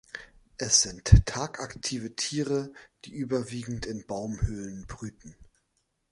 Es sind tagaktive Tiere, die überwiegend in Baumhöhlen brüten.